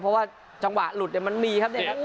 เพราะว่าจังหวะหลุดเนี่ยมันมีครับเนี่ย